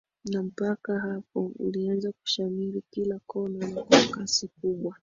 Na mpaka hapo ulianza kushamiri kila kona na kwa kasi kubwa